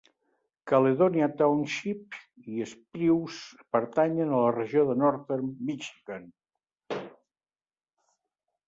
Caledonia Township i Spruce pertanyen a la regió de Northern Michigan.